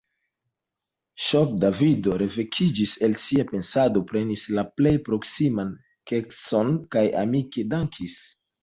Ŝoke Davido revekiĝis el sia pensado, prenis la plej proksiman kekson kaj amike dankis.